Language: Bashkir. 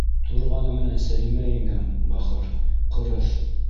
Торғаны менән Сәлимә еңгәм, бахыр, ҡырыҫ.